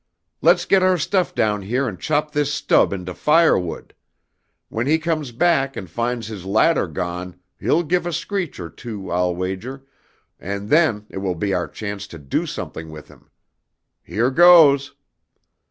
"Let's get our stuff down here and chop this stub into firewood! When he comes back and finds his ladder gone he'll give a screech or two, I'll wager, and then it will be our chance to do something with him. Here goes!"